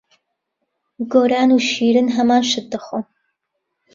گۆران و شیرین هەمان شت دەخۆن.